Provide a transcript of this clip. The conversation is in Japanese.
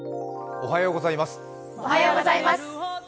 おはようございます。